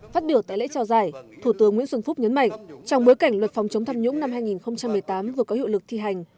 phát biểu tại lễ trao giải thủ tướng nguyễn xuân phúc nhấn mạnh trong bối cảnh luật phòng chống tham nhũng năm hai nghìn một mươi tám vừa có hiệu lực thi hành